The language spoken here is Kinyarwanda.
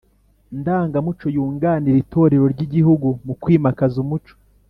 ndangamuco yunganira itorero ry’igihugu mu kwimakaza umuco